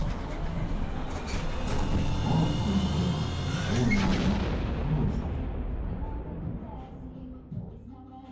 モロッコにほれ込むオーナーのニコールさん。